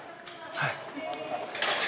はい。